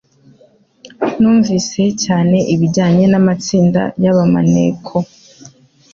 Numvise cyane ibijyanye n'amatsinda ya ba maneko